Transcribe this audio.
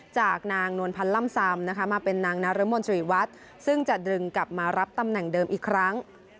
จากนางนวลพันธ์ล่ำซำนะคะมาเป็นนางนรมนตรีวัดซึ่งจะดึงกลับมารับตำแหน่งเดิมอีกครั้ง